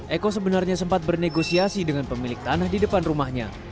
eko sebenarnya sempat bernegosiasi dengan pemilik tanah di depan rumahnya